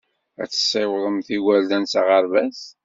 Ad tessiwḍem igerdan s aɣerbaz.